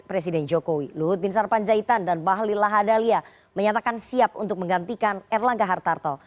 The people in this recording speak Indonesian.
presiden jokowi luhut bin sarpanjaitan dan bahlil lahadalia menyatakan siap untuk menggantikan erlangga hartarto